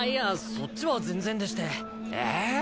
そっちは全然でしてええ？